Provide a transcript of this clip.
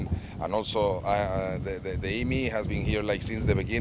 fia dan juga emi telah berada di sini sejak awal